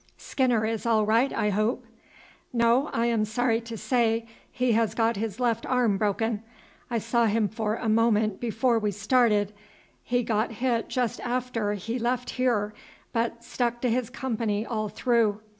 Skinner is all right, I hope?" "No, I am sorry to say he has got his left arm broken. I saw him for a moment before we started. He got hit just after he left here, but stuck to his company all through.